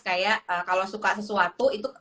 kayak kalo suka sesuatu